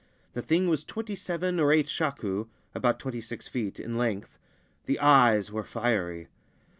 The thing was twenty seven or eight shaku (about twenty six feet) in length. The eyes were fiery.